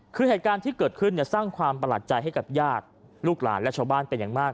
คือเหตุการณ์ที่เกิดขึ้นสร้างความประหลาดใจให้กับญาติลูกหลานและชาวบ้านเป็นอย่างมาก